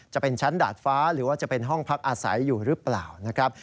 จะเป็นชั้นดาดฟ้าหรือว่าจะเป็นห้องพักอาศัยอยู่หรือเปล่านะครับ